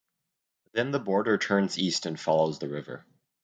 Then the border turns east and follows the river.